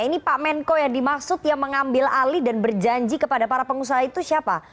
ini pak menko yang dimaksud yang mengambil alih dan berjanji kepada para pengusaha itu siapa